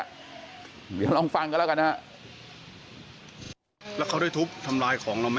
เดี๋ยวลองฟังกันแล้วกันฮะแล้วเขาได้ทุบทำลายของเราไหม